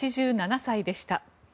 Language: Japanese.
８７歳でした。